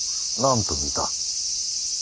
何と見た？